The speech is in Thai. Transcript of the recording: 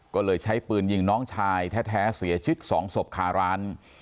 ก็เลยใช้ปืนยิงน้องชายแท้เสียชีวิตสองศพคาร้าน